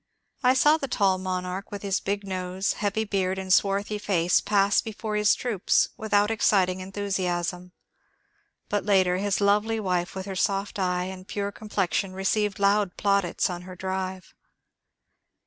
I saw the tall monarch with his big nose, heavy beard, and swarthy face pass before his troops without exciting enthusiasm ; but later his lovely wife with her soft eye and pure complexion received loud plaudits on her drive.